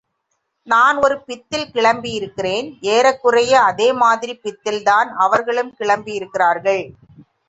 நான் ஒரு பித்தில் கிளம்பியிருக்கிறேன் ஏறக்குறைய அதே மாதிரிப் பித்தில் தான் அவர்களும் கிளம்பியிருக்கிறார்கள்.